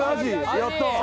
やった。